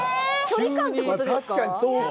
距離感ってことですか？